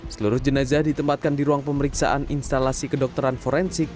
seluruh jenazah ditempatkan di ruang pemeriksaan instalasi kedokteran forensik